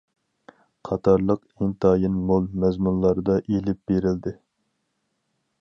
قاتارلىق ئىنتايىن مول مەزمۇنلاردا ئىلىپ بېرىلدى.